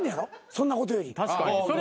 そんなことより。